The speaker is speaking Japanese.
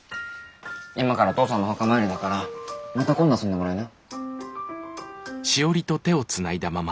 今から父さんのお墓参りだからまた今度遊んでもらいな。